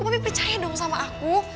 tapi percaya dong sama aku